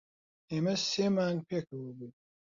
ئێمە سێ مانگ پێکەوە بووین.